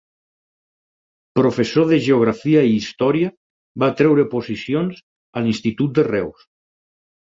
Professor de geografia i història, va treure oposicions a l'Institut de Reus.